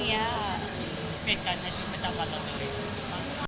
เปลี่ยนกันใช่มั้ยตามการตรงเต็มที่ไหน